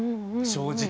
正直。